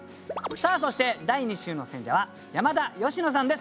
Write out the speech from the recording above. さあそして第２週の選者は山田佳乃さんです。